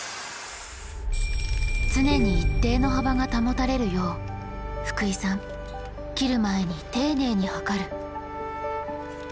常に一定の幅が保たれるよう福井さん切る前に丁寧に測る。